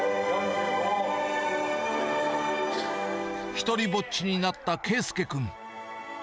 独りぼっちになった佳祐君。